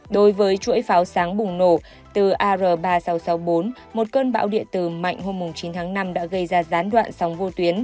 đối với chuỗi pháo sáng bùng nổ từ ar ba nghìn sáu trăm sáu mươi bốn một cơn bão địa tử mạnh hôm chín tháng năm đã gây ra gián đoạn sóng vô tuyến